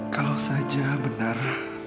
kalau saja benar